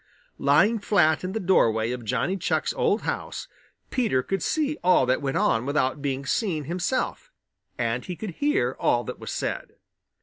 Lying flat in the doorway of Johnny Chuck's old house, Peter could see all that went on without being seen himself, and he could hear all that was said.